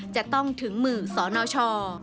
จะต้องถึงมือสนช